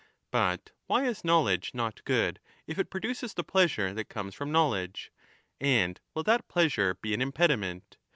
But why is knowledge not good, if it produces the pleasure that comes from knowledge ? And will that pleasure be an impediment?